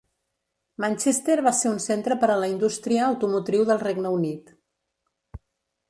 Manchester va ser un centre per a la indústria automotriu del Regne Unit.